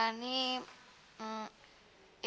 eh tapi tapi mama jangan marah ya